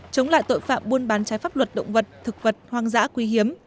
chống lại tội phạm buôn bán trái pháp luật động vật thực vật hoang dã quý hiếm